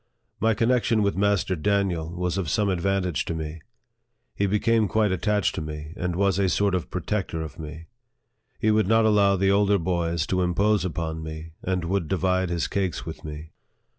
My connection with Master Daniel was of some advantage to me. He be came quite attached to me, and was a sort of protector of me. He would not allow the older boys to impose upon me, and would divide his cakes with me.